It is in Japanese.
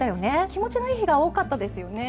気持ちがいい日が多かったですよね。